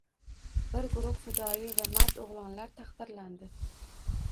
Bir guruh fidoyi va mard oʻgʻlonlar taqdirlandi